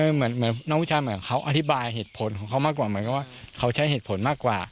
เหมือนน้องวิชาเหมือนเขาอธิบายเหตุผลของเขามากกว่าเหมือนกับว่าเขาใช้เหตุผลมากกว่า